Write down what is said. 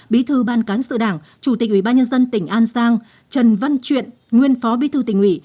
bí thư ban cán sự đảng chủ tịch ủy ban nhân dân tỉnh an giang trần văn chuyện nguyên phó bí thư tỉnh ủy